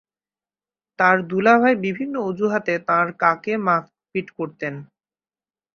তাঁর দুলাভাই বিভিন্ন অজুহাতে তাঁর কাকে মারপিট করতেন?